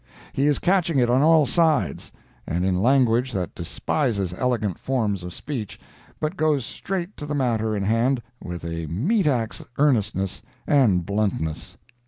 He is catching it on all sides, and in language that despises elegant forms of speech, but goes straight to the matter in hand with a meat axe earnestness and bluntness.